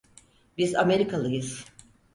Biz Amerikalıyız.